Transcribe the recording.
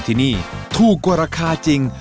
ที่นี่ถูกกว่าราคาจริง